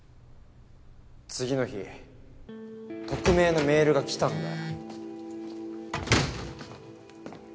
次の日匿名のメールが来たんだよ。